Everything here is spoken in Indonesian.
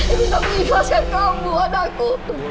ibu sudah mengifaskan kamu anakku